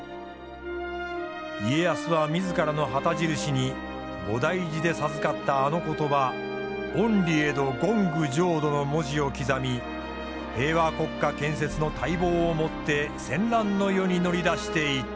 家康は自らの旗印に菩提寺で授かったあの言葉「厭離穢土欣求浄土」の文字を刻み平和国家建設の大望を持って戦乱の世に乗り出していった。